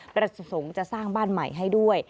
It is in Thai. ประสงค์จะสร้างบ้านใหม่ให้ด้วย